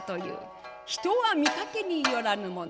人は見かけによらぬもの。